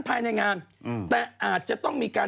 ภายในงานอืมแต่อาจจะต้องมีการ